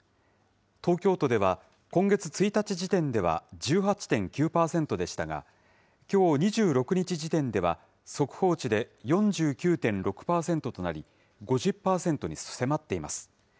東京都では、今月１日時点では１８．９％でしたが、きょう２６日時点では、速報値で４９．６％となり、５０％に迫っています。